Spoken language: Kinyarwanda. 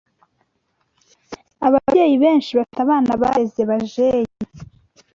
Ababyeyi benshi bafite abana bareze bajeyi